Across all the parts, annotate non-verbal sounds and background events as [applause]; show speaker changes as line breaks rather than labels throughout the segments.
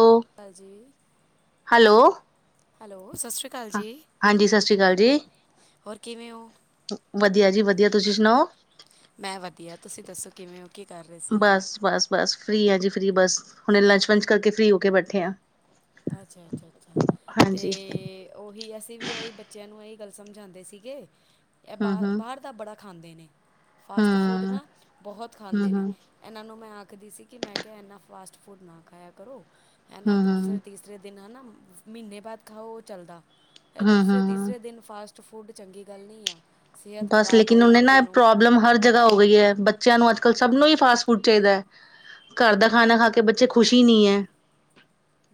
ਉਹ
ਹਾਂਜੀ
hello
hello ਸਤਿ ਸ਼੍ਰੀ ਅਕਾਲ
ਹਾਂ
ਜੀ
ਹਾਂਜੀ ਸਤਿ ਸ਼੍ਰੀ ਅਕਾਲ ਜੀ
ਹੋਰ ਕਿਵੇਂ ਹੋ
ਵਧੀਆ ਜੀ ਵਧੀਆ ਤੁਸੀਂ ਸੁਣਾਓ
ਮੈਂ ਵਧੀਆ ਤੁਸੀਂ ਦੱਸੋ ਕਿਵੇਂ ਉਹ ਕੀ ਕਰ ਰਹੇ ਸੀ।
ਬਸ ਬਸ ਬਸ ਫ੍ਰਰੀ ਹਾਂ ਜੀ ਫ੍ਰਰੀ ਬਸ ਹੁਣੇ ਲੰਚ ਵੰਚ ਕਰਕੇ ਫ੍ਰਰੀ ਹੋ ਕੇ ਬੈਠੇ ਹਾਂ
ਅੱਛਾ ਅੱਛਾ ਅੱਛਾ ਅਤੇ ਉਹੀ ਅਸੀਂ ਵੀ ਇਹੀ ਬੱਚਿਆਂ ਨੂੰ ਇਹੀ ਗੱਲ ਸਮਝਾਉਂਦੇ ਸੀਗੇ ਇਹ
ਹੂੰ
ਬਾਹਰ
ਹੂੰ
ਬਾਹਰ ਦਾ ਬੜਾ ਖਾਂਦੇ ਨੇ
ਹੂੰ
ਫਾਸਟ ਫੂਡ ਨਾ
ਹੂੰ
ਬਹੁਤ ਖਾਂਦੇ ਨੇ
ਹੂੰ
ਇਹਨਾਂ ਨੂੰ ਮੈਂ ਆਖਦੀ ਸੀ ਕਿ ਮੈਂ ਕਿਹਾ ਇੰਨਾ ਫਾਸਟ ਫੂਡ ਨਾ ਖਾਇਆ ਕਰੋ ਇਹ ਨਾ
ਹੂੰ
ਦੂਸਰੇ ਤੀਸਰੇ ਦਿਨ ਹਨਾ ਮਹੀਨੇ ਬਾਅਦ ਖਾਓ ਉਹ ਚੱਲਦਾ ਇਹ
ਹੂੰ
ਦੂਸਰੇ
ਹੂੰ
ਤੀਸਰੇ ਦਿਨ ਫਾਸਟ ਫੂਡ ਚੰਗੀ ਗੱਲ ਨਹੀਂ ਆ ਸਿਹਤ
ਬਸ,
ਖ਼ਰਾਬ
ਲੇਕਿਨ
ਹੋਏਗੀ
ਉਹਨੇ ਨਾ
ਤੁਹਾਨੂੰ
ਪ੍ਰੋਬਲਮ ਹਰ ਜਗ੍ਹਾ ਹੋ ਗਈ ਐ, ਬੱਚਿਆਂ ਨੂੰ ਅੱਜ-ਕੱਲ੍ਹ ਸਭ ਨੂੰ ਹੀ ਫਾਸਟ ਫੂਡ ਚਾਹੀਦਾ ਐ। ਘਰ ਦਾ ਖਾਣਾ ਖਾ ਕੇ ਬੱਚੇ ਖੁਸ਼ੀ ਨਹੀਂੀ ਹੈ।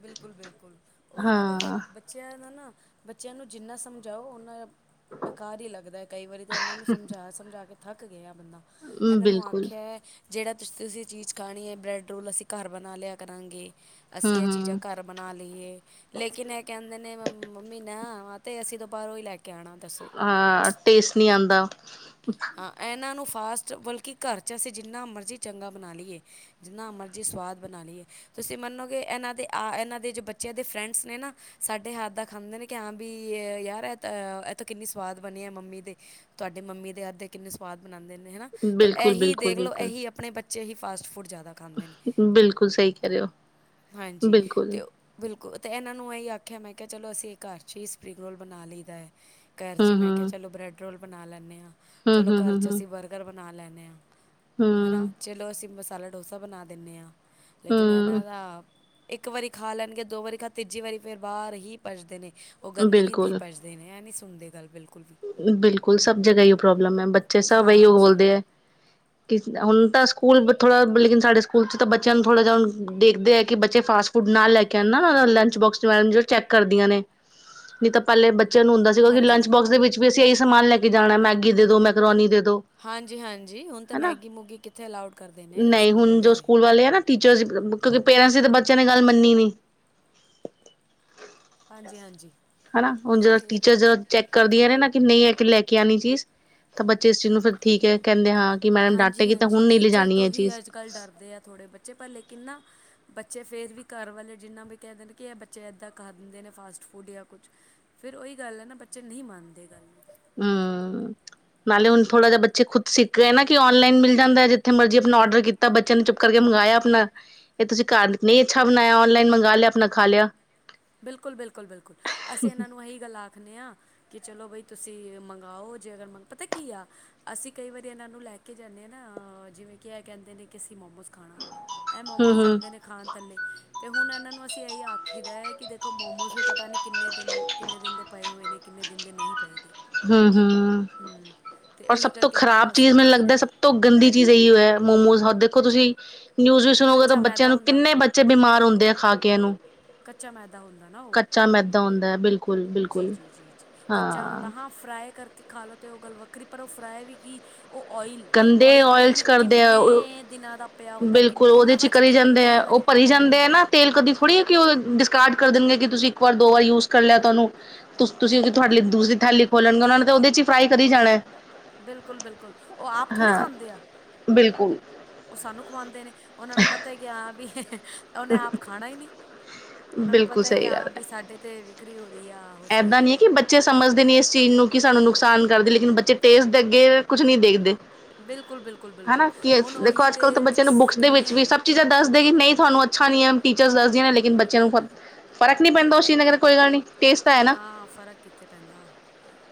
ਬਿਲਕੁਲ, ਬਿਲਕੁਲ! ਉਹੀ ਤਾਂ ਗੱਲ ਐ,
ਹਾਂ
ਬੱਚ ਬੱਚਿਆਂ ਦਾ ਨਾ ਬੱਚਿਆਂ ਨੂੰ ਜਿੰਨਾ ਸਮਝਾਓ, ਓਨਾਂ ਬੇਕਾਰ ਹੀ ਲੱਗਦਾ ਕਈ ਵਾਰੀ, ਤੇ ਇਹਨਾਂ ਨੂੰ ਸਮਝਾ ਸਮਝਾ ਕੇ ਥੱਕ ਗਿਆ ਆ ਬੰਦਾ। ਇਹਨਾਂ ਨੂੰ
ਬਿਲਕੁਲ
ਆਖਿਆ ਜਿਹੜਾ ਤੁਸੀਂ, ਤੁਸੀਂ ਇਹ ਚੀਜ਼ ਖਾਣੀ ਹੈ ਬ੍ਰੈਡ ਰੋਲ, ਅਸੀਂ ਘਰ ਬਣਾ ਲਿਆ ਕਰਾਂਗੇ,
ਹੂੰ
ਅਸੀਂ ਇਹ। ਚੀਜ਼ਾਂ
ਹੂੰ
ਘਰ ਬਣਾ ਲਈਏ। ਲੇਕਿਨ ਇਹ ਕਹਿੰਦੇ ਨੇ, ਮੰਮੀ ਨਾ ਆ ਤੇ ਅਸੀਂ ਤਾਂ ਬਾਰਰੋਂ ਹੀ ਲੈ ਕੇ ਆਣਾ, ਦੱਸੋ।
ਟੇਸਟ ਨਹੀਂ ਆਉਂਦਾ
ਇਹਨਾਂ ਨੂੰ ਫਾਸਟ ਬਲਕਿ ਘਰ 'ਚ ਅਸੀਂ ਜਿੰਨਾ ਮਰਜ਼ੀ ਚੰਗਾ ਬਣਾ ਲਈਏ ਜਿੰਨਾ ਮਰਜ਼ੀ ਸਵਾਦ ਬਣਾ ਲਈਏ ਤੁਸੀਂ ਮੰਨੋਗੇ ਇਹਨਾਂ ਦੇ ਆ ਇਹਨਾਂ ਦੇ ਜੋ ਬੱਚਿਆਂ ਦੇ ਫਰੈਂਡਸ ਨੇ ਨਾ ਸਾਡੇ ਹੱਥ ਦਾ ਖਾਂਦੇ ਨੇ ਕਿ, ਹਾਂ ਬ ਯਾਰ ਇਹ ਤਾਂ ਕਿੰਨੀ ਸਵਾਦ ਬਣੀ ਆ ਮੰਮੀ ਦੇ। ਤੁਹਾਡੇ ਮੰਮੀ ਦੇ ਹੱਥਦੇ ਕਿੰਨੇ ਸਵਾਦ ਬਣਾਉਂਦੇ ਨੇ, ਹਨਾ? ਤਾਂ
ਬਿਲਕੁਲ
ਇਹੀ
ਬਿਲਕੁਲ
ਦੇਖ ਲਓ,
ਬਿਲਕੁਲ
ਇਹੀ! ਆਪਣੇ ਬੱਚੇ ਹੀ ਫਾਸਟ ਫੂਡ ਜ਼ਿਆਦਾ ਖਾਂਦੇ ਨੇ,
ਬਿਲਕੁਲ ਸਹੀ ਕਹਿ ਰਹੇ ਹੋ
ਹਾਂਜੀ,
ਬਿਲਕੁਲ
ਤੇ ਉਹ ਬਿਲਕੁਲ, ਅਤੇ ਇਹਨਾਂ ਨੂੰ ਇਹੀ ਆਖਿਆ, ਮੈਂ ਕਿਹਾ, ਚਲੋ, ਅਸੀਂ ਇਹ ਘਰ 'ਚ ਹੀ ਸਪਰਿੰਗ ਰੋਲ ਬਣਾ ਲਈਦਾ ਹੈ। ਘਰ 'ਚ ਹੀ, ਮੈਂ ਕਿਹਾ,
ਹੂੰ-ਹੂੰ,
ਚਲੋ, ਬਰੈੱਡ ਰੋਲ ਬਣਾ ਲੈਂਦੇ ਹਾਂ। ਚਲੋ, ਘਰ 'ਚ
ਹੂੰ-ਹੂੰ-ਹੂੰ-ਹੂੰ,
ਅਸੀਂ ਬਰਗਰ ਬਣਾ ਲੈਂਦੇ ਹਾਂ।
ਹੂੰ,
ਹੈ ਚਲੋ, ਅਸੀਂ ਮਸਾਲਾ ਡੋਸਾ ਬਣਾ ਦਿੰਦੇ ਹਾਂ, ਲੇਕਿਨ ਇਹਨਾਂ
ਹੂੰ,
ਦਾ ਇੱਕ ਵਾਰੀ ਖਾ ਲੈਣਗੇ, ਦੋ ਵਾਰੀ ਖਾ ਤੀਜੀ ਵਾਰੀ ਫਿਰ ਬਾਹਰ ਹੀ ਪਜਦੇ ਨੇ। ਉਹ ਗੰਦਗੀ 'ਤੇ ਹੀ
ਬਿਲਕੁਲ।
ਪਜਦੇ। ਦੇ ਨੇ ਹੈ ਨਹੀਂ ਸੁਣਦੇ ਗੱਲ ਬਿਲਕੁਲ ਵੀ।
ਬਿਲਕੁਲ, ਸਭ ਜਗ੍ਹਾ ਇਹੀਓ ਪ੍ਰੋਬਲਮ ਐ, ਬੱਚੇ ਸਭ ਇਹੀ, ਉਹ
ਹਾਂਜੀ
ਬੋਲਦੇ ਐ! ਕਿ ਹੁਣ ਤਾਂ ਸਕੂਲ ਥੋੜ੍ਹਾ, ਲੇਕਿਨ ਸਾਡੇ ਸਕੂਲ 'ਚ ਤਾਂ ਬੱਚਿਆਂ ਨੂੰ ਥੋੜਾ ਜਹਾ ਹੁ ਦੇਖਦੇ ਆ ਕਿ ਬੱਚੇ ਫਾਸਟ ਫੁਡ ਨਾਲ ਲੈ ਕੇ ਆਣਾ ਨਾ ਲੰਚ ਬੋਕਸ ਜੋ ਚੈੱਕ ਕਰਦੀਆਂ ਨੇ! ਨਹੀਂ ਤਾਂ ਪਹਿਲੇ ਬੱਚਿਆਂ ਨੂੰ ਹੁੰਦਾ ਸੀਗਾ ਕਿ,
ਹਾਂਜੀ
ਲੰਚ ਬੋਕਸ ਦੇ ਵੀ ਅਸੀਂ ਇਹੀ ਸਮਾਨ ਲੈ ਕੇ ਜਾਣਾ, ਮੈਗੀ ਦੇ ਦਿਉ, ਮੈਕਰੋਨੀ ਦੇ ਦਿਉ।
ਹਾਂਜੀ-ਹਾਂਜੀ, ਹੁਣ ਤਾਂ ਮੈਗੀ-ਮੂਗੀ ਕਿੱਥੇ ਅਲਾਉਡ ਕਰਦੇ ਨੇ
ਨਈ
ਸਕੂਲ
ਹੁਣ ਜੋ
ਵਾਲੇ?
ਸਕੂਲ ਆ ਨਾ ਟੀਚਰਸ, ਕਿਉਂਕਿ ਪੇਰੈਂਟਸ ਦੀ ਤਾਂ ਬੱਚਿਆਂ ਨੇ ਗੱਲ ਮੰਨੀ ਨਹੀਂ!
ਹਾਂਜੀ ਹਾਂਜੀ।
ਹਨਾ, ਹੁਣ ਜ
ਕਿੱਥੇ
ਟੀਚਰ ਜ ਚੈੱਕ ਕਰਦੀਆਂ ਨੇ ਨਾ ਕਿ ਨਹੀਂ, ਹੈ ਕਿ ਲੈ ਕੇ ਆਉਣੀ ਚੀਜ਼, ਤਾਂ ਬੱਚੇ ਇਸ ਚੀਜ਼ ਨੂੰ ਫਿਰ, ਠੀਕ ਹੈ। ਕਹਿੰਦੇ ਹਾਂ। ਕਿ ਮੈਮ ਡਾਟੇਗੀ, ਤਾਂ ਹੁਣ ਨਹੀਂ ਲਿਜਾਣੀ ਇਹ ਚੀਜ਼।
ਕਲ ਡਰਦੇ ਆ ਥੋੜ੍ਹੇ ਬੱਚੇ, ਪਰ ਲੇਕਿਨ ਨਾ ਬੱਚੇ ਫੇਰ ਵੀ, ਘਰ ਵਾਲੇ ਜਿੰਨਾ ਵੀ ਕਹਿ ਦਿਨੇ, ਕਿ ਇਹ ਬੱਚੇ ਏਦਾਂ ਖਾ ਦਿੰਦੇ ਨੇ ਫਾਸਟ ਫੂਡ ਜਾਂ ਕੁਛ। ਫੇਿਰ ਉਹੀ ਗੱਲ ਹੈ ਨਾ, ਬੱਚੇ ਨਹੀਂ ਮੰਨਦੇ ਗੱਲ ਨੂੰ।
ਹਮ। ਨਾਲੇ ਹੁਣ ਥੋੜਾ ਜਾ ਬੱਚੇ ਖੁਦ ਸਿੱਖ ਰੇ ਨਾ, ਕਿ ਔਨਲਾਈ ਮਿਲਦਾ, ਜਿੱਥੇ ਮਰਜੀ ਆਪਣਾ ਔਡਰ ਕੀਤਾ। ਤਾਂ ਬੱਚਿਆਂ ਨੇ ਚੁੱਪ ਕਰਕੇ ਮ ਮੰਗਵਾਇਆ ਆਪਣਾ ਇਹ ਤੁਸੀਂ ਘਰ ਨਹੀਂ ਅੱਛਾ ਬਣਾਇਆ, ਔਨਲਾਈਨ ਮੰਗਾ ਲਿਆ, ਆਪਣਾ ਖਾ ਲਿਆ।
ਬਿਲਕੁਲ, ਬਿਲਕੁਲ, ਬਿਲਕੁਲ! ਅਸੀਂ ਇਹਨਾਂ ਨੂੰ ਇਹੀ ਗੱਲਾਂ ਆਖਦੇ ਹਾਂ। ਕਿ ਚਲੋ ਬਈ, ਤੁਸੀਂ ਮੰਗਵਾਓ। ਜੇ ਅਗਰ ਮੰਗ ਪਤਾ ਕੀ ਆ, ਅਸੀਂ ਕਈ ਵਾਰੀ ਇਹਨਾਂ ਨੂੰ ਲੈ ਕੇ ਜਾਂਦੇ ਐ ਨਾ, ਜਿਵੇਂ ਕਿ ਇਹ ਕਹਿੰਦੇ ਨੇ ਕਿ ਅਸੀਂ ਮੋਮੋਸ ਖਾਣਾ। ਇਹ
ਹਮ
ਮੋਮੋਸ
ਹਮ
ਜਾਂਦੇ ਨੇ। ਖਾਣ ਥੱਲੇ, ਅਤੇ ਹੁਣ ਇਹਨਾਂ ਨੂੰ ਅਸੀਂ ਇਹੀ ਆਖੀਦਾ ਹੈ। ਕਿ ਦੇਖੋ, ਮੋਮੋਸ ਵੀ ਪਤਾ ਨਹੀਂ ਕਿੰਨੇ ਦਿਨ, ਕਿੰਨੇ ਦਿਨ ਦੇ ਪਏ ਹੋਏ ਨੇ, ਕਿੰਨੇ ਦਿਨ ਦੇ ਨਹੀਂ ਪਏ ਦੇ।
ਹਮ ਹਮ,
ਹੂੰ ਅਤੇ
ਔਰ
ਉਹੀ
ਸਭ ਤੋਂ
ਕਰਕੇ ਇਹਨਾਂ ਨੂੰ
ਖ਼ਰਾਬ
ਅਸੀਂ
ਚੀਜ਼, ਮੈਨੂੰ ਲੱਗਦਾ,
ਆਖੀਦਾ ਹੈ।
ਸਭ ਤੋਂ ਗੰਦੀ ਚੀਜ਼ ਇਹੀਓ ਹੈ ਮੋਮੋਜ਼, ਦੇਖੋ ਤੁਸੀਂ ਨਿਊਜ਼ ਵੀ ਸੁਣੋਗੇ ਤਾਂ
ਕੱਚਾ
ਬੱਚਿਆਂ
ਮੈਦਾ
ਨੂੰ
ਹੁੰਦਾ
ਕਿੰਨੇ ਬੱਚੇ ਬਿਮਾਰ ਹੁੰਦੇ ਆ ਖਾ ਕੇ ਇਹਨੂੰ।
ਕੱਚਾ ਮੈਦਾ ਹੁੰਦਾ ਨਾ ਉਹ।
ਕੱਚਾ ਮੈਦਾ ਹੁੰਦਾ, ਬਿਲਕਲ।
ਜੀ, ਜੀ, ਜੀ, ਜੀ, ਕੱਚਾ ਹੁੰਦਾ। ਹਾਂ ਫਰਾਈ ਕਰਕੇ ਖਾ ਲਓ, ਅਤੇ ਉਹ ਗੱਲ ਵੱਖਰੀ, ਪਰ ਉਹ ਫਰਾਈ ਵੀ ਕੀ ਉਹ ਓਇਲ
ਗੰਦੇ
ਓਇਲ ਪਤਾ
ਚ
ਨਹੀਂ
ਕਰਦੇ ਆ
ਕਿੰਨੇ ਦਿਨਾਂ ਦਾ ਪਿਆ ਹੁੰਦਾ ਕਿੰਨ
ਬਿਲਕੁਲ, ਉਹਦੇ
ਉਹਨਾਂ
ਚ ਹੀ
ਵਿੱਚ
ਕਰੀ ਜਾਂਦੇ
ਕਿੰਨਾ
ਐ
ਹੀ
ਉਹ
ਵਾਰੀ
ਭਰੀ ਜਾਂਦੇ ਐ ਨਾ,
ਹੂੰ
ਤੇਲ ਕਦੀ ਥੋੜ੍ਹੀ ਐ ਕਿ ਉਹ ਡਿਸਕਾਰਡ ਕਰ ਦੇਣਗੇ ਕਿ ਤੁਸੀਂ ਇੱਕ ਵਾਰ ਦੋ ਵਾਰ ਯੂਜ ਕਰ ਲਿਆ ਤੁਹਾਨੂੰ ਤੁ ਤੁਸੀਂ ਤੁਹਾਡੇ ਦੂਸਰੀ ਥਾਲੀ ਖੋਲਣਗੇ ਉਹਨਾਂ ਨੇ ਤਾਂ ਉਹਦੇ ਚ ਈ ਫਰਾਈ ਕਰੀ ਜਾਣਾ।
ਬਿਲਕੁਲ ਬਿਲਕੁਲ, ਉਹ ਆਪ ਥੋੜ੍ਹੀ
ਹਾਂ
ਖਾਂਦੇ ਆ।
ਬਿਲਕੁਲ
ਉਹ ਸਾਨੂੰ ਖਵਾਉਂਦੇ ਨੇ ਉਹਨਾਂ ਨੂੰ ਪਤਾ ਹੀ ਕਿ ਵੀ ਉਹਨੇ ਆਪ ਖਾਣਾ ਹੀ ਨਹੀਂ ਉਹਨਾਂ ਨੂੰ
ਬਿਲਕੁਲ
ਪਤਾ ਹੈ ਕਿ
ਸਹੀ
ਹਾਂ ਵੀ ਸਾਡੇ ਤੇ ਵਿਕਰੀ ਹੋ ਰਹੀ ਆ ਆਹੋ ਸਹੀ
ਇੱਦਾਂ
ਗੱਲ
ਨੀ ਹੈ ਕਿ ਬੱਚੇ ਬੱਚੇ ਸਮਝਦੇ ਨਹੀਂ ਇਸ ਚੀਜ਼ ਨੂੰ ਕਿ ਸਾਨੂੰ ਨੁਕਸਾਨ ਕਰਦੇ ਲੇਕਿਨ ਬੱਚੇ ਟੇਸਟ ਦੇ ਅੱਗੇ ਕੁਛ ਨਹੀਂ ਦੇਖਦੇ
ਬਿਲਕੁਲ ਬਿਲਕੁਲ ਬਿਲਕੁਲ
ਹਨਾ ਕਿ
ਹੁਣ
ਦੇਖੋ
ਉਹੀ
ਅੱਜ ਕੱਲ੍ਹ ਤਾਂ
ਤੇਲ 'ਚ
ਬੱਚਿਆਂ ਨੂੰ
ਸ-
ਬੁੱਕਸ ਦੇ ਵਿੱਚ
ਕਿੰਨੇ
ਵੀ ਸਭ ਚੀਜ਼ਾਂ ਦੱਸਦੇ ਕਿ ਨਹੀਂ ਤੁਹਾਨੂੰ ਅੱਛਾ ਨਹੀਂ ਹੈ ਟੀਚਰ ਦੱਸਦੀਆਂ ਨੇ ਲੇਕਿਨ ਬੱਚ ਨੂੰ ਫਰਕ ਨਹੀਂ ਪੈਂਦਾ ਉਸ ਚੀਜ਼ ਨਾਲ ਕੋਈ ਗੱਲ ਨਹੀਂ। ਟੇਸਟ ਤਾਂ ਹੈ
ਨਾ ਫ਼ਰਕ ਕਿੱਥੇ ਪੈਂਦਾ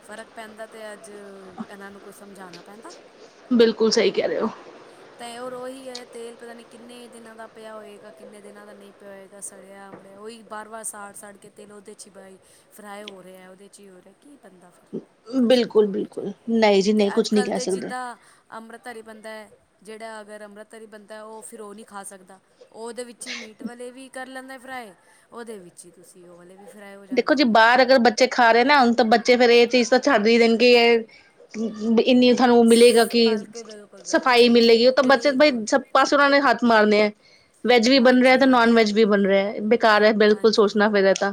ਫ਼ਰਕ ਪੈਂਦਾ ਤੇ ਅੱਜ ਇਹਨਾਂ ਨੂੰ ਕੁਛ ਸਮਝਾਉਣਾ ਪੈਂਦਾ
ਬਿਲਕੁਲ ਸਹੀ ਕਹਿ ਰਹੇ ਹੋ
ਤਾਂ ਉਹ ਰੋਹੀ ਐ ਤੇਲ ਪਤਾ ਨੀ ਕਿੰਨੇ ਦਿਨਾਂ ਦਾ ਪਿਆ ਹੋਏਗਾ ਕਿੰਨੇ ਦਿਨਾਂ ਦਾ ਨਹੀਂ ਪਿਏਦਾ ਸੜਿਆ ਮੜਿਆ ਉਹ ਹੀ ਵਾਰ ਵਾਰ ਸਾੜ ਸਾੜ ਕੇ ਤੇਲ ਉਹਦੇ 'ਚ ਬਹੀ ਫਰਾਈ ਹੋ ਰਿਹਾ ਉਹਦੇ 'ਚ ਹੀ ਹੋ ਰਿਹਾ। ਕੀ ਬੰਦਾ ਫਰਕ ਕਰ
ਬਿਲਕੁਲ
ਸਕਦਾ ਉਹਦੇ ਚ
ਬਿਲਕੁਲ ਨਹੀਂ ਜੀ
ਤੇ
ਨਹੀਂ
ਅਜ
ਕੁਛ ਨਹੀਂ
ਕੱਲ੍ਹ
ਕਹਿ
ਤਾਂ
ਸਕਦੇ
ਜਿੱਦਾਂ ਅੰਮ੍ਰਿਤ ਧਾਰੀ ਬੰਦਾ ਜਿਹੜਾ ਅਗਰ ਅੰਮ੍ਰਿਤ ਧਾਰੀ ਬੰਦਾ ਉਹ ਫਿਰ ਉਹ ਨਹੀਂ ਖਾ ਸਕਦਾ ਉਹਦੇ ਵਿੱਚ ਹੀ ਮੀਟ ਵਾਲੇ ਵੀ ਕਰ ਲੈਂਦਾ ਫਰਾਈ ਉਹਦੇ ਵਿੱਚ ਹੀ ਤੁਸੀਂ ਉਹ ਵਾਲੇ ਵੀ ਫਰਾਈ ਹੋ
ਦੇਖੋ
ਜਾਂਦੇ।
ਜੀ ਬਾਹਰ ਅਗਰ ਬੱਚੇ ਬੱਚੇ ਖਾ ਰਹੇ ਨਾ ਹੁਣ ਤਾਂ ਬੱਚੇ ਫੇਰ ਇਹ ਚੀਜ਼ ਤਾਂ ਛੱਡ ਹੀ ਦੇਣ ਕਿ ਇਹ ਇੰਨੀ ਤੁਹਾਨੂੰ ਮਿਲੇਗਾ ਕਿ
ਬਿਲਕੁਲ ਬਿਲਕੁਲ ਬਿਲਕੁਲ
ਸਫ਼ਾਈ
ਸੇਫ
ਮਿਲੇਗੀ ਉਹ ਤਾਂ ਬੱਚੇ ਤਾਂ ਬਈ
ਬਿਲਕੁਲ
ਸਭ ਨੂੰ। ਪਾਸੇ ਉਹਨਾਂ ਨੇ ਹੱਥ ਮਾਰਨੇ ਐ। ਵੈਜ ਵੀ ਬਣ ਰਿਹਾ
ਹਾਂਜੀ
ਤੇ ਨੋਨ
ਹਾਂਜੀ
ਵੈਜ ਵੀ ਬਣ ਰਿਹਾ ਬੇਕਾਰ ਐ ਬਿਲਕੁਲ
ਹਾਂਜੀ
ਸੋਚਣਾ ਫਿਰ ਇਹ ਤਾਂ।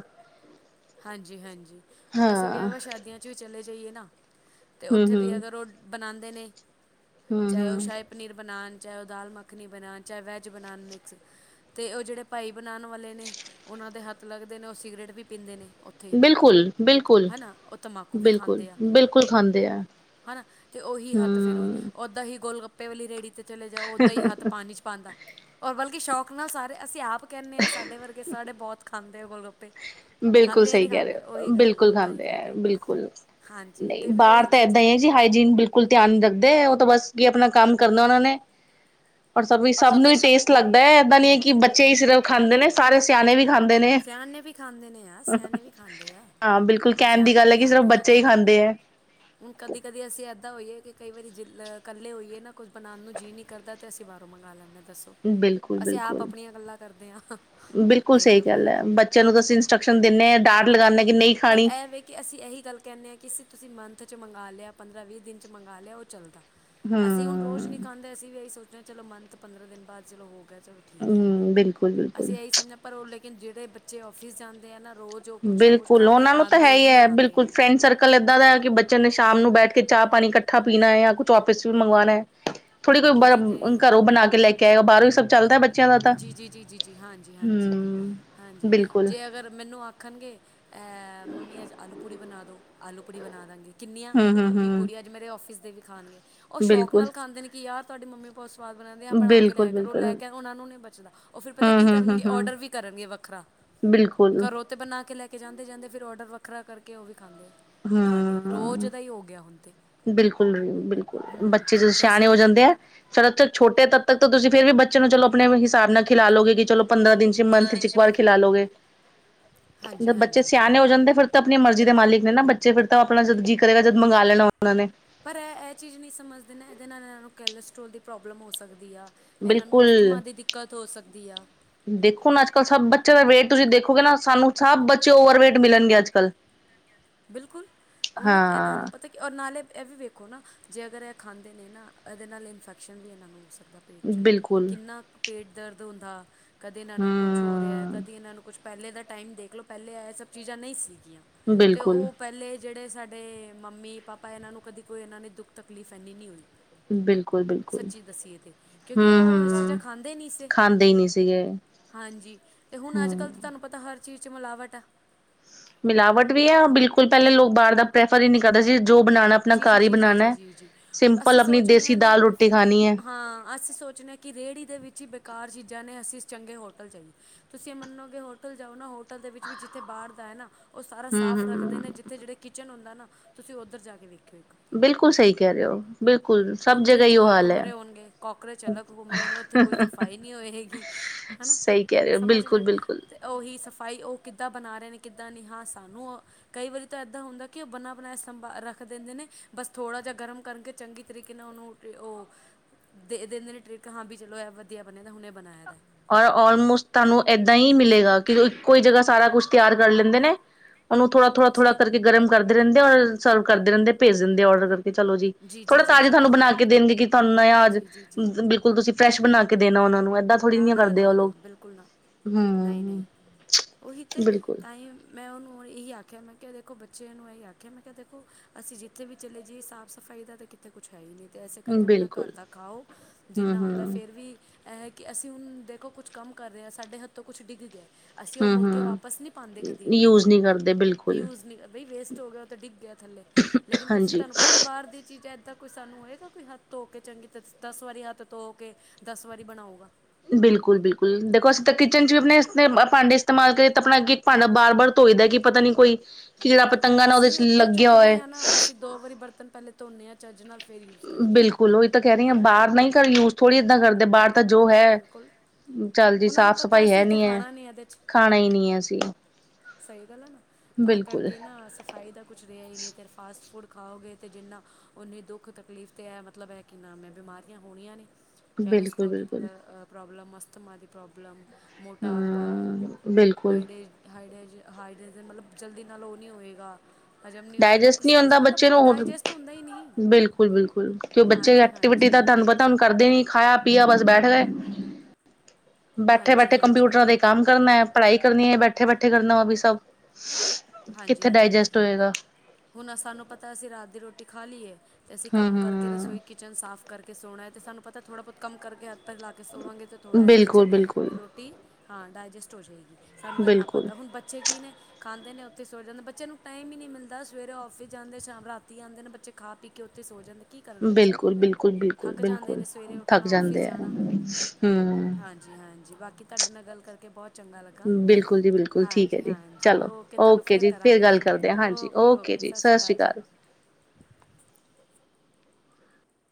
ਹਾਂਜੀ ਹਾਂਜੀ, ਹੁਣ ਅਸੀਂ
ਹਾਂ
ਵਿਆਵਾਂ ਸ਼ਾਦੀਆਂ 'ਚ ਵੀ ਚਲੇ ਜਾਈਏ ਨਾ ਤੇ
ਹਮ
ਉੱਥੇ ਵੀ
ਹਮ
ਅਗਰ ਉਹ ਬਣਾਂਦੇ ਨੇ ਚਾਹੇ ਉਹ
ਹੂੰ-ਹੂੰ,
ਸਾ, ਪਨੀਰ ਬਣਾਣ ਚਾਹੇ ਉਹ ਦਾਲ ਮੱਖਣੀ ਬਣਾਣ ਚਾਹੇ ਉਹ ਵੈੱਜ ਬਣਾਨ ਮਿਕਸ। ਤੇ ਉਹ ਜਿਹੜੇ ਭਾਈ ਬਣਾਣ ਵਾਲੇ ਨੇ ਉਹਨਾਂ ਦੇ ਹੱਥ ਲੱਗਦੇ ਨੇ ਉਹ ਸਿਗਰਟ ਵੀ ਪੀਂਦੇ ਨੇ। ਉੱਥੇ
ਬਿਲਕੁਲ-ਬਿਲਕੁਲ,
ਹੈ ਨਾ ਉਹ ਤੰਬਾਕੂ ਵੀ ਖਾਂਦੇ ਆ
ਬਿਲਕੁਲ-ਬਿਲਕੁਲ ਖਾਂਦੇ ਐ।
ਹਨਾ ਤੇ ਉਹੀ ਹੱਥ ਫਿਰ ਓਹੀ ਓਦਾਂ ਹੀ ਗੋਲ ਗੱਪ ਪੇ ਵਾਲੀ ਰੇੜੀ ਤੇ ਚਲੇ ਜਾਓ ਓਦਾਂ ਹੀ ਹੱਥ ਪਾਣੀ ਚ ਪਾਂਦਾ ਔਰ ਬਲਕਿ ਸ਼ੌਕ ਨਾਲ ਸਾਰੇ ਅਸੀਂ ਆਪ ਕਹਿਣੇ ਆ ਸਾਡੇ ਵਰਗੇ ਸਾਡੇ ਬਹੁਤ ਖਾਂਦੇ ਆ ਗੋਲਗੱਪੇ।
ਬਿਲਕੁਲ ਸਹੀ ਕਹਿ ਰਹੇ ਹੋ ਬਿਲਕੁਲ
ਤਾਂ ਹੀ
ਖਾਂਦੇ ਆ
ਕਰਕੇ
ਬਿਲਕੁਲ।
ਹਾਂਜੀ
ਨਹੀਂ
ਤੇ ਫਿਰ
ਬਾਹਰ
ਉਹੀ
ਤਾਂ ਏਦਾਂ
ਚੀਜ਼ਾਂ
ਈ ਆ
ਨੇ
ਜੀ ਹਾਈ ਜੀਨ ਬਿਲਕੁਲ ਧਿਆਨ ਰੱਖਦੇ ਉਹ ਤਾਂ ਬਸ ਕੀ ਆਪਣਾ ਕੰਮ ਕਰਨਾ ਉਹਨਾਂ ਨੇ ਔਰ ਸਭ ਵੀ ਸਭ ਨੂੰ ਵੀ ਟੇਸਟ ਲੱਗਦਾ ਏਦਾਂ ਨੀ ਐ ਕਿ ਬੱਚੇ ਹੀ ਸਿਰਫ ਖਾਂਦੇ ਨੇ ਸਾਰੇ ਸਿਆਣੇ ਵੀ ਖਾਂਦੇ ਨੇ।
ਨੇ ਵੀ ਖਾਂਦੇ ਨੇ। ਸਿਆਣੇ ਵੀ ਖਾਂਦੇ ਆ
ਹਾਂ ਬਿਲਕੁਲ ਕਹਿਣ ਦੀ
ਸਿਆਣੇ
ਗੱਲ
ਵੀ
ਹੈ ਕਿ ਸਿਰਫ
ਖਾਂਦੇ ਆ।
ਬੱਚੇ ਹੀ ਖਾਂਦੇ ਹੈ,
ਹੁਣ ਕਦੀ ਕਦੀ ਅਸੀਂ ਇੱਦਾਂ ਹੋਈਏ ਕਿ ਕਈ ਵਾਰੀ ਜ ਇਕੱਲੇ ਹੋਈਏ ਨਾ ਕੁਝ ਬਣਾਣ ਨੂੰ ਜੀਅ ਨਹੀਂ। ਕਰਦਾ ਤੇ ਅਸੀਂ ਬਾਹਰੋਂ ਮੰਗਵਾ ਲੈਂਦੇ ਆ ਦੱਸੋ ਅਸੀਂ
ਬਿਲਕੁਲ-ਬਿਲਕੁਲ।
ਆਪ
ਬਿਲਕੁਲ
ਆਪਣੀਆਂ ਗੱਲਾਂ ਕਰਦੇ ਆ।
ਬਿਲਕੁਲ ਸਹੀ ਗੱਲ ਐ, ਬੱਚਿਆਂ ਨੂੰ ਤੁਸੀਂ ਇੰਸਟਰਕਸ਼ਨ ਦਿੰਦੇ ਆ ਡਾਂਟ ਲਗਾਦੇ ਕਿ ਨਹੀਂ
ਪਰ
ਖਾਣੀ
ਇਹ ਵੇ ਕਿ ਅਸੀਂ ਇਹੀ ਗੱਲ ਕਹਿਣਾ ਆ ਕਿ ਅਸੀਂ ਤੁਸੀਂ ਮੰਥ 'ਚ ਮੰਗਵਾ ਲਿਆ ਪੰਦਰਾਂ ਵੀਹ ਦਿਨ 'ਚ ਮੰਗਵਾ ਲਿਆ ਉਹ ਚੱਲਦਾ ਅਸੀਂ ਹੁਣ ਰੋਜ਼ ਨੀ
ਹੂੰ,
ਖਾਂਦੇ ਅਸੀ ਵੀ ਇਹੀ ਸੋਚਣਾ ਚਲੋ ਮੰਥ ਪੰਦਰਾਂ ਦਿਨ ਬਾਅਦ ਚਲੋ ਹੋ ਗਿਆ ਚਲੋ ਠੀਕ ਐ
ਹੂੰ ਬਿਲਕੁਲ-ਬਿਲਕੁਲ।
ਅਸੀਂ ਇਹੀ ਸਮਝਣਾ ਪਰ ਉਹ ਲੇਕਿਨ ਜਿਹੜੇ ਬੱਚੇ ਆਫਿਸ ਜਾਂਦੇ ਆ ਨਾ ਰੋਜ਼ ਉਹ ਕੁਛ ਨਾ ਕੁਛ
ਬਿਲਕੁਲ
ਖਾ ਕੇ
ਉਹਨਾਂ ਨੂੰ ਤਾਂ
ਆਉਂਦੇ
ਹੈ ਹੀ ਐ
ਆਉਂਦੇ ਆ
ਬਿਲਕੁਲ ਫਰੈਂਡ ਸਰਕਲ ਕਲ ਏਦਾਂ ਦਾ ਐ ਕਿ ਬੱਚਿਆਂ ਨੇ ਸ਼ਾਮ ਨੂੰ ਬੈਠ ਕੇ ਚਾਹ ਪਾਣੀ ਇਕੱਠਾ ਪੀਣਾ ਐ ਜਾਂ ਕੁਛ [unintelligible] ਵੀ ਮੰਗਵਾਣਾ। ਥੋੜੀ ਕੋਈ ਬ
ਉਹੀ ਤੇ
ਘਰੋਂ ਬਣਾ ਕੇ ਲੈ ਕੇ ਆਏਗਾ ਬਾਹਰੋਂ ਹੀ ਸਭ ਚੱਲਦਾ ਬੱਚੇ।
ਜੀ ਜੀ, ਜੀ ਜੀ, ਜੀ ਹਾਂਜੀ, ਹਾਂਜੀ ਹਾਂਜੀ
ਬਿਲਕੁਲ
ਜੇ ਅਗਰ ਮੈਨੂੰ ਮੈਨੂੰ ਆਖਣਗੇ ਅਹ ਮੰਮੀ ਅੱਜ ਆਲੂ ਪੂੜੀ ਬਣਾ ਦੋ ਆਲੂ ਪੂੜੀ ਬਣਾ ਦਾਂਗੇ। ਕਿੰਨੀਆਂ
ਹੂੰ ਹੂੰ
ਅ ਵੀ
ਹੂੰ
ਪੁੜੀਆਂ ਅੱਜ ਮੇਰੇ ਔਫਿਸ ਦੇ ਵੀ ਖਾਣਗੇ, ਉਹ ਸ਼ੌਕ
ਬਿਲਕੁਲ।
ਨਾਲ਼ ਖਾਂਦੇ ਨੇ ਕਿ ਯਾਰ ਤੁਹਾਡੀ ਮੰਮੀ ਬੋਤ ਸ ਸਵਾਦ ਬਣਨ ਦੀਆ ਬਣਾ ਕੇ
ਬਿਲਕੁਲ
ਲਿਆ ਕਰੋ
ਬਿਲਕੁਲ
ਲੈ ਕੇ ਉਹਨਾਂ ਨੂੰ ਨੀ ਉਹ ਫਿਰ ਪਤਾ
ਹੂੰ
ਕੀ
ਹੂੰ ਹੂੰ
ਕਰਨਗੇ
ਹੂੰ
ਔਡਰ ਵੀ ਕਰਨਗੇ ਵੱਖਰਾ,
ਬਿਲਕੁਲ ਹੂੰ।
ਘਰੋ ਤੇ ਬਣਾ ਕੇ ਲੈ ਕੇ ਜਾਂਦੇ-ਜਾਂਦੇ ਫਿਰ ਔਡਰ ਵੱਖਰਾ ਕਰਕੇ ਉਹ ਵੀ ਖਾਂਦੇ ਐ। ਨਾਲ ਈ ਰੋਜ਼ ਦਾ ਈ ਓ ਗਿਆ ਹੁਣ ਤੇ।
ਬਿਲਕੁਲ ਬਿਲਕੁਲ
ਹੂੰ
ਬੱਚੇ ਜਦੋਂ
ਤੇ ਅਸੀਂ
ਸਿਆਣੇ ਹੋ
ਉਹੀ
ਜਾਂਦੇ ਆ ਫੇਰ ਛੋਟੇ ਤਦ ਤੱਕ ਤਾਂ ਤੁਸੀਂ ਫੇਰ ਵੀ ਬ ਬੱਚੇ ਨੂੰ ਚਲੋ ਆਪਣੇ ਹਿਸਾਬ ਨਾਲ ਖਿਲਾ ਲਓਗੇ ਕਿ ਚਲੋ ਪੰਦਰਾਂ ਦਿਨ 'ਚ ਮੰਥ 'ਚ ਇੱਕ ਵਾਰ ਖਿਲਾ ਲੋਗੇ। ਜਦ
ਹਾਂਜੀ
ਬੱਚੇ
ਹਾਂਜੀ
ਸਿਆਣੇ ਹੋ ਜਾਂਦੇ ਫਿਰ ਆਪਣੀ ਮਰਜ਼ੀ ਦੇ ਮਾਲਿਕ ਨੇ ਨਾ ਬੱਚੇ ਫਿਰ ਤਾਂ ਆਪਣਾ ਜਦ ਜੀ ਕਰੇਗਾ ਜਦ ਮੰਗਾ ਲੈਣਾ ਉਹਨਾਂ ਨੇ।
ਪਰ ਐ ਐ ਚੀਜ਼ ਨਹੀਂ ਸਮਝਦੇ ਨੇ ਇਹਦੇ ਨਾਲ ਇਹਨਾਂ ਨੂੰ ਕੈਲਸਟ੍ਰੋਲ ਦੀ ਪ੍ਰੋਬਲਮ ਹੋ ਸਕਦੀ ਆ। ਇਹਨਾਂ ਨੂੰ
ਬਿਲਕੁਲ
ਅਸਥਮਾਂ ਦੀ ਦਿੱਕਤ ਹੋ ਸਕਦੀ ਆ।
ਦੇਖੋ ਨਾ ਅੱਜ-ਕੱਲ੍ਹ ਸਭ ਬੱਚਿਆਂ ਦਾ ਵੇਟ ਤੁਸੀਂ ਦੇਖੋਗੇ ਨਾ ਸਾਨੂੰ ਸਭ ਬੱਚੇ ਓਵਰਵੇਟ ਮਿਲਣਗੇ ਅੱਜ-ਕੱਲ੍ਹ।
ਬਿਲਕੁਲ ਹੁਣ ਨਾ ਇਹਨਾਂ
ਹਾਂ
ਨੂੰ ਪਤਾ ਔਰ ਨਾਲੇ ਇਹ ਵੀ ਵੇਖੋ ਨਾ ਜੇ ਅਗਰ ਇਹ ਖਾਂਦੇ ਨੇ ਨਾ ਇਹਦੇ ਨਾਲ ਇਨਫੈਕਸ਼ਨ ਵੀ ਇਹਨਾਂ ਨੂੰ ਹੋ ਸਕਦਾ। ਪੇਟ 'ਚ ਨਾ
ਬਿਲਕੁਲ
ਕਿੰਨਾ ਕ ਪੇਟ ਦਰਦ ਹੁੰਦਾ ਕਦੇ ਇਹਨਾਂ ਨੂੰ ਕੁ ਕੁਛ ਹੋ ਰਿਹਾ ਏ
ਹਮ
ਕਦੀ ਇਹਨਾਂ ਨੂੰ ਕੁਛ ਪਹਿਲੇ ਦਾ ਟਾਈਮ ਦੇਖ ਲਓ ਪਹਿਲੇ ਇਹ ਸਭ ਚੀਜ਼ਾਂ ਨਈ ਸੀਗੀਆਂ, ਤੇ
ਬਿਲਕੁਲ
ਉਹ ਪਹਿਲੇ ਜਿਹੜੇ ਸਾਡੇ ਮੰਮੀ -ਪਾਪਾ ਇਹਨਾਂ ਨੂੰ ਕਦੀ ਕੋਈ ਇਹਨਾਂ ਨੇ ਦੁੱਖ ਤਕਲੀਫ ਇੰਨੀ ਨੀ ਹੋਈ।
ਬਿਲਕੁਲ ਬਿਲਕੁਲ
ਸੱਚੀ ਦੱਸੀਏ ਤੇ ਕਿਉਂਕਿ
ਹਮ
ਉਹ ਇਹ ਚੀਜ਼ਾਂ
ਹਮ
ਖਾਂਦੇ ਨੀ ਸੀ।
ਖਾਂਦੇ ਹੀ ਨਹੀਂ ਸੀਗੇ
ਹਾਂਜੀ, ਤੇ ਹੁਣ
ਹਮ
ਅੱਜ-ਕੱਲ੍ਹ ਤਾਂ ਤੁਹਾਨੂੰ ਪਤਾ ਹਰ ਚੀਜ਼ 'ਚ ਮਿਲਾਵਟ ਆ।
ਮਿਲਾਵਟ ਵੀ ਆ ਬਿਲਕੁਲ ਪਹਿਲੇ ਲੋਕ ਬਾਹਰ ਦਾ ਪ੍ਰੈਫਰ ਈ ਨੀ ਕਰਦਾ ਸੀ, ਜੋ ਬਣਾਨਾਂ ਆਪਣਾ
ਜੀ ਜੀ
ਘਰ ਈ
ਜੀ ਜੀ ਜੀ
ਬਣਾਨਾਂ,
ਜੀ ਜੀ
ਸਿੰਪਲ
ਅਸੀਂ
ਆਪਣੀ
ਸੋਚਦੇ
ਦੇਸੀ
ਹਾਂ ਨਾ
ਦਾਲ ਰੋਟ
ਹਾਂ, ਅਸੀਂ ਸੋਚਨੇ ਆ ਕਿ ਰੇਹੜੀ ਦੇ ਵਿੱਚ ਈ ਬੇਕਾਰ ਚੀਜ਼ਾਂ ਨੇ ਅਸੀਂ ਚੰਗੇ ਹੋਟਲ ਜਾਈਏ। ਤੁਸੀਂ ਮੰਨੋਗੇ ਹੋਟਲ ਜਾਓ ਨਾ ਹੋਟਲ ਦੇ ਵਿੱਚ ਵੀ ਜਿੱਥੇ ਬਾਰ ਦਾ ਏ ਨਾ ਉਹ ਸਾਰਾ
ਹਮ
ਸਾਫ਼ ਰੱਖਦੇ
ਹਮ
ਨੇ ਜਿੱਥੇ ਜਿਹੜੇ ਕਿਚਨ ਹੁੰਦਾ ਨਾ ਤੁਸੀਂ ਉੱਧਰ ਜਾ ਕੇ ਵੇਖਿਓ ਇੱਕ
ਬਿਲਕੁਲ ਸਹੀ ਕੈਰੇ ਓ।
ਉੱਥੇ ਚੂਏ ਘੁੰਮ ਰੇ ਹੋਣਗੇ, ਕਾਕਰੋਚ ਅਲਗ ਘੂਮ ਰੇ ਹੋਣ ਉੱਥੇ ਕੋਈ ਸਫਾਈ ਨੀ ਹੋਏਗੀ। ਹਨਾ
ਸਹੀ ਕਹਿ ਰਹੇ ਹੋ
ਸਮਝ
ਬਿਲਕੁਲ
ਰੇਓ
ਬਿਲਕੁਲ
ਤੇ ਉਹੀ ਸਫਾਈ ਉਹ ਕਿੱਦਾਂ ਬਣਾ ਰੇ ਨੇ ਕਿੱਦਾਂ ਨੀ ਹਾਂ ਸਾਨੂੰ ਉ ਕਈ ਵਾਰੀ ਤਾਂ ਏਦਾਂ ਹੁੰਦਾ ਕਿ ਉਹ ਬਣਾ ਬਣਾਇਆ ਸੰਭਾ, ਰੱਖ ਦਿੰਦੇ ਨੇ ਬਸ ਥੋੜ੍ਹਾ ਜਿਹਾ ਗਰਮ ਕਰਕੇ ਚੰਗੀ ਤਰੀਕੇ ਨਾਲ ਉਹਨੂੰ ਉਹ ਦੇ ਦਿੰਦੇ ਨੇ ਟ੍ਰਿਕ ਹਾਂ ਵੀ ਚਲੋ ਇਹ ਵਧੀਆ ਬਣਿਆ ਦਾ ਹੁਣੇ ਬਣਾਇਆ ਦਾ।
ਔਰ ਔਲਮੋਸਟ ਤੁਹਾਨੂੰ ਏਦਾਂ ਈ ਮਿਲੇਗਾ ਕਿ ਇੱਕੋ ਈ ਜਗ੍ਹਾ ਸਾਰਾ ਕੁਛ ਤਿਆਰ ਕਰ ਲੀਂਦੇ ਨੇ। ਉਹਨੂੰ ਥੋੜਾ-ਥੋੜਾ-ਥੋੜਾ
ਜੀ
ਕਰਕੇ ਗਰਮ ਕਰਦੇ ਰਇੰਦੇ ਔਰ ਸਰਵ ਕਰਦੇ ਰਇੰਦੇ, ਭੇਜ ਦਿੰਦੇ ਔਡਰ ਕਰ ਤੇ ਚਲੋ ਜੀ, ਥੋੜਾ ਤਾਜ਼ੇ ਤੁਹਾਨੂੰ ਬਣਾ ਕੇ ਦਿੰਦੀ ਕਿ ਤੁਹਾਨੂੰ ਆਜ,
ਜੀ ਜੀ ਜੀ
ਬਿ ਹੁਣ ਤੁਸੀਂ ਫਰੈਸ਼ ਬਣਾ ਕੇ ਦੇਣਾ ਉਹਨਾਂ ਨੂੰ ਏਦਾਂ ਥੋੜ੍ਹੀ ਨੀ ਕਰਦੇ ਉਹ
ਨਾਂ-ਨਾਂ-ਨਾਂ-ਨਾਂ
ਲੋਕ
ਬਿਲਕੁਲ ਨਾਂ,
ਹਮ
ਨਈ-ਨਈ, ਉਹੀ ਤੇ
ਬਿਲਕੁਲ
ਤਾ ਈ ਮੈਂ ਉਹਨੂੰ ਔਰ ਇਹੀ ਆਖਿਆ, ਮੈਂ ਕਿਹਾ ਦੇਖੋ ਬੱਚੇ ਨੂੰ ਇਹੀ ਆਖਿਆ, ਮੈਂ ਕਿਹਾ ਦੇਖੋ ਅਸੀਂ ਜਿੱਥੇ ਵੀ ਚਲੇ ਜੀਏ ਸਾਫ਼ ਸਫ਼ਾਈ ਦਾ ਤਾਂ ਕੀਤੇ ਕੁਛ ਹੈ ਈ ਨੀ ਤੇ ਇਸੇ ਕਰਕੇ ਆਪਣਾ
ਬਿਲਕੁਲ
ਘਰ ਦਾ ਖਾਓ, ਜਿੰਨਾ
ਹਮ
ਹੁੰਦਾ
ਹਮ
ਫੇਰ ਵੀ ਇਹ ਕਿ ਅਸੀਂ ਹੁਣ ਦੇਖੋ ਕੁਛ ਕੰਮ ਕਰ ਰੇ ਆ, ਸਾਡੇ ਹੱਥੋਂ ਕੁਛ ਡਿੱਗ ਗਿਆ। ਅਸੀਂ ਉਹ
ਹਮ
ਮੁੜ ਕੇ
ਹਮ
ਵਾਪਸ ਨੀ ਪਾਂਦੇ ਕਦੀ ਵੀ।
ਯੂਜ ਨਹੀਂ ਕਰਦੇ ਬਿਲਕੁਲ
ਯਿਊਜ਼ ਨੀ ਬਈ ਵੇਸਟ ਹੋ ਗਿਆ ਉਹ ਤਾਂ ਡਿੱਗ ਗਿਆ ਥੱਲੇ ਲੇਕਿਨ, ਤੁਸੀਂ
ਹਾਂਜੀ
ਤੁਹਾਨੂੰ ਪਤਾ ਬਾਹਰ ਦੀ ਚੀਜ਼ਾਂ ਤਾਂ ਕੋਈ ਸਾਨੂੰ ਹੋਏਗਾ ਕੋਈ, ਹੱਥ ਧੋ ਕੇ ਚੰਗੀ ਤ ਦਸ ਵਾਰੀ ਹੱਥ ਧੋ ਕੇ ਦਸ ਵਾਰੀ ਬਣਾਊਗਾ।
ਬਿਲਕੁੱਲ-ਬਿਲਕੁੱਲ ਦੇਖੋ ਅਸੀਂ ਤਾਂ ਕਿਚਨ 'ਚ ਵੀ ਆਪਣੇ ਇਸਤੇ ਭਾਂਡੇ ਇਸਤੇਮਾਲ ਕਰੀ ਤਾਂ ਆਪਣਾ ਕੀ ਭਾਂਡਾ ਬਾਰ-ਬਾਰ ਧੋਈ ਦਾ ਕਿ ਪਤਾ ਨੀ ਕੋਈ ਕੀੜਾ- ਪਤੰਗਾ ਨਾ
ਅਸੀਂ
ਉਹਦੇ
ਜੀ
'ਚ
ਉੱਤੋਂ
ਲੱਗਿਆ
ਚੁੱਕਦੇ
ਹੋਏ।
ਹਾਂ ਨਾ ਅਸੀਂ ਦੋ ਵਾਰੀ ਬਰਤਨ ਪਹਿਲੇ ਧੋਨੇ ਆ ਚੱਜ ਨਾਲ। ਫਿਰ ਯੂਜ਼ ਕਰੀਦਾ
ਬਿਲਕੁੱਲ ਉਹੀ ਤਾਂ ਕਹਿ ਰੀ ਆ
ਹੈ ਨਾ
ਬਾਹਰ ਨਈ ਕਰ ਯੂਜ ਥੋੜ੍ਹੀ ਏਦਾਂ ਕਰਦੇ ਬਾਹਰ ਤਾਂ ਜੋ ਹੈ,
ਬਿਲਕੁਲ
ਚੱਲ ਜੀ
ਉਹਨਾਂ ਨੂੰ ਪਤਾ
ਸਾਫ਼-ਸਫ਼ਾਈ
ਅਸੀਂ
ਹੈ
ਇੱਥੇ
ਨੀ ਐ,
ਖਾਣਾ
ਖਾਣਾ ਈ ਨੀ ਅਸੀਂ। ਤ
ਸਈ ਗੱਲ ਐ ਨਾ ਤਾਂ ਕਰਕੇ ਨਾ ਸਫ਼ਾਈ ਦਾ ਕੁਛ ਰਿਹਾ ਹੀ ਨਹੀਂ ਤੇ ਫਾਸਟ ਫੂਡ ਖਾਓਗੇ ਅਤੇ ਜਿੰਨਾ ਉਨੀ ਦੁੱਖ ਤਕਲੀਫ਼ ਤੇ ਹੈ ਮਤਲਬ ਏ--਼ ਕਿ ਨਾਮ ਏ ਬਿਮਾਰੀਆਂ ਹੋਣੀਆਂ ਨੇ ਕੈਲਸਟ੍ਰੋਲ ਦੇ
ਬਿਲਕੁਲ-ਬਿਲਕੁਲ
ਆ ਪ੍ਰੋਬਲਮ, ਮਸਤਮਾ ਦੀ ਪ੍ਰੋਬਲਮ, ਮੋਟਾਪਾ
ਹੂੰ ਬਿਲਕੁਲ
ਹਾਈਡੇ ਹਾਈਡਜ ਹਾਈਡ੍ਰਜਨ ਮਤਲਬ ਜਲਦੀ ਨਾਲ ਉਹ ਨਹੀਂ ਹੋਏਗਾ। ਹਜ਼ਮ ਨਹੀਂ ਹੋਏਗਾ
ਡਾਇਜਸਟ ਨਹੀਂ
ਕਿਸੇ ਵਿੱਚ
ਹੁੰਦਾ ਬੱਚੇ
ਮਤਲਬ
ਨੂੰ ਹੋ,
ਡਾਇਜੈਸਟ ਹੁੰਦਾ ਹੀ ਨਹੀਂ
ਬਿਲਕੁਲ- ਬਿਲਕੁਲ ਕਿਉ ਬੱਚੇ
ਹਾਂਜੀ ਹਾਂਜੀ
ਐਕਟੀਵਿਟੀ ਦਾ ਤੁਹਾਨੂੰ ਪਤਾ ਤੁਹਾਨੂੰ ਕਰਦੇ ਨੀ ਖਾਇਆ ਪੀਆ ਬਸ ਬੈਠ ਗਏ ਬੈਠੇ-
ਹਾਂਜੀ
ਬੈਠੇ
ਹਾਂਜੀ
ਕੰਪਿਊਟਰਾਂ ਦੇ ਕੰਮ ਕਰਨਾ ਹੈ, ਪੜ੍ਹਾਈ ਕਰਨੀ ਹੈ ਬੈਠੇ- ਬੈਠੇ ਕਰਨਾ ਉਹ ਵੀ ਸਭ
ਹਾਂਜੀ -ਹਾਂਜੀ ਹੁਣ ਅਸਾਂ ਨੂੰ ਪਤਾ ਅਸੀਂ ਰਾਤ ਦੀ ਰੋਟੀ ਖਾ ਲਈਏ। ਅਸੀਂ ਕੰਮ ਕਰਕੇ ਰਸੋਈ ਕਿਚਨ ਸਾਫ਼ ਕਰਕੇ ਸੋਣਾ ਹੈ, ਅਤੇ ਸਾਨੂੰ ਪਤਾ ਥੋੜ੍ਹਾ ਬਹੁਤ ਕੰਮ ਕਰ ਗਿਆ ਉੱਪਰ ਲਾ ਕੇ ਸੋਵਾਂਗੇ ਤਾਂ ਥੋੜ੍ਹਾ ਇੰਨੇ 'ਚ ਰੋਟੀ ਹਾਂ ਡਾਇਜੈਸਟ ਹੋ ਜਾਏਗੀ। ਸਾਨੂੰ ਇੰਨਾ
ਬਿਲਕੁਲ
ਪਤਾ ਹੁਣ ਬੱਚੇ ਕੀ ਨੇ ਖਾਂਦੇ ਨੇ ਉੱਥੀ ਸੋ ਜਾਂਦੇ, ਬੱਚਿਆ ਨੂੰ ਟਾਈਮ ਈ ਨੀ ਮਿਲਦਾ ਸਵੇਰੇ ਔਫਿਸ ਜਾਂਦੇ ਸ਼ਾਮ ਰਾਤੀ ਆਂਦੇ ਨੇ ਬੱਚੇ ਖਾ ਪੀ ਕੇ ਉੱਥੀ ਸੋ ਜਾਂਦੇ। ਕੀ ਕਰਨ ਬੱਚੇ,
ਬਿਲਕੁਲ ਬਿਲਕੁਲ ਬਿਲਕੁਲ
ਥੱਕ ਜਾਂਦੇ
ਬਿਲਕੁਲ
ਨੇ ਸਵੇਰੇ
ਥੱਕ
ਉੱਠਣਾ ਔਫਿਸ
ਜਾਂਦੇ ਆ
ਜਾਣਾ।
ਹੂੰ
ਹਾਂਜੀ-ਹਾਂਜੀ ਬਾਕੀ ਤੁਹਾਡੇ ਨਾਲ ਗੱਲ ਕਰਕੇ ਬਹੁਤ ਚੰਗਾ ਲੱਗਾ।
ਬਿਲਕੁਲ ਜੀ ਬਿਲਕੁਲ ਠੀਕ ਹੈ ਜੀ
ਹਾਂਜੀ-ਹਾਂਜੀ
ਚਲੋ
ਓਕੇ ਤੁਹਾਨੂੰ ਫਿਰ
ਜੀ
ਕਰਾਂਗੀ
ਗੱਲ
ਫੋਨ
ਕਰਦੇ ਹਾਂ ਹਾਂਜੀ ਓਕੇ
ਓਕੇ-ਓਕੇ
ਜੀ
ਸਤਿ ਸ਼੍ਰੀ ਅਕਾਲ ਜੀ।